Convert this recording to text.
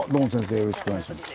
よろしくお願いします。